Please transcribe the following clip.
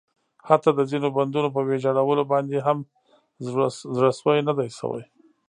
حتٰی د ځینو بندونو په ویجاړولو باندې هم زړه سوی نه ده شوی.